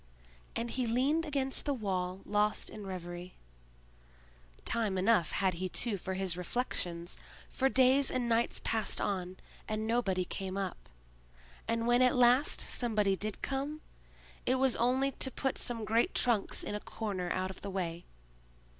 And he leaned against the wall lost in reverie. Time enough had he too for his reflections; for days and nights passed on, and nobody came up; and when at last somebody did come, it was only to put some great trunks in a corner out of the way.